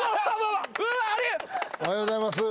おはようごさいます。